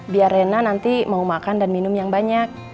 biar rena nanti mau makan dan minum yang banyak